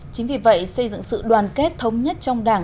chính vì vậy xây dựng sự đoàn kết thống nhất trong đảng